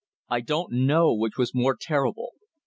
I don't know which was more terrible!